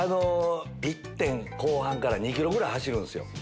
１．後半から２ｋｍぐらい走るんですよ。